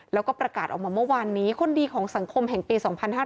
แล้วก็ประกาศออกมาเมื่อวานนี้คนดีของสังคมแห่งปี๒๕๕๙